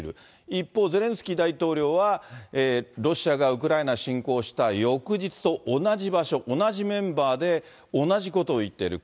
一方、ゼレンスキー大統領は、ロシアがウクライナ侵攻した翌日と同じ場所、同じメンバーで、同じことを言っている。